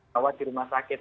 bawa di rumah sakit